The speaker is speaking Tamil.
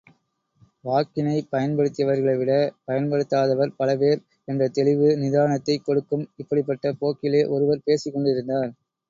வாக்கினைப் பயன்படுத்தியவர்களைவிட, பயன்படுத்தாதவர் பல பேர் என்ற தெளிவு நிதானத்தைக் கொடுக்கும் இப்படிப்பட்ட போக்கிலே ஒருவர் பேசிக்கொண்டிருந்தார்.